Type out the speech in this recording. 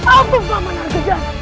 ampun paman aku